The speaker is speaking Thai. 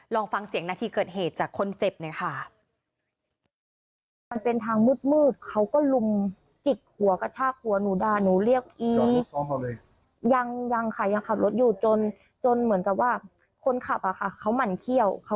ลองฟังเสียงนาทีเกิดเหตุจากคนเจ็บหน่อยค่ะ